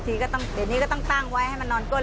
ทีนี้เดี๋ยวนี้ก็ต้องตั้งไว้ให้มันนอนก้น